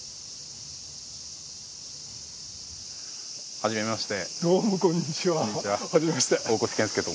はじめまして。